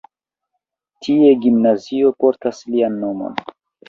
Tie gimnazio portas lian nomon.